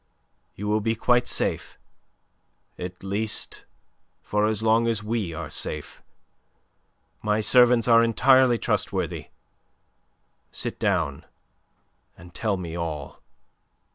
You will be quite safe, at least for as long as we are safe. My servants are entirely trustworthy. Sit down and tell me all."